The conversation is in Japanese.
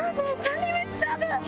めっちゃある！